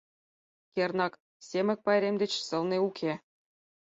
Кернак, Семык пайрем деч сылне уке.